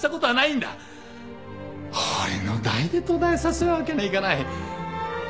俺の代で途絶えさせるわけにはいかない。